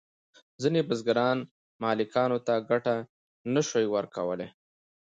ځینې بزګران مالکانو ته ګټه نشوای ورکولی.